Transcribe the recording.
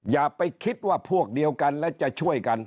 อย่าไปคิดว่าพวกเดียวกันและจะช่วยกัน